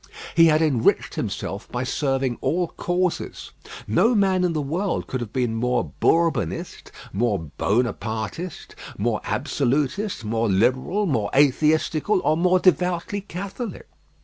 He had enriched himself by serving all causes. No man in the world could have been more Bourbonist, more Bonapartist, more absolutist, more liberal, more atheistical, or more devoutly catholic.